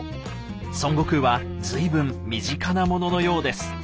孫悟空は随分身近なもののようです。